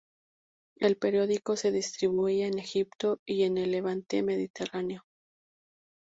El periódico se distribuía en Egipto y en el Levante mediterráneo.